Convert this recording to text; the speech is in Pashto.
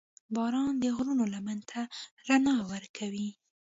• باران د غرونو لمن ته رڼا ورکوي.